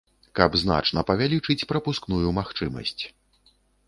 Каб значна павялічыць прапускную магчымасць.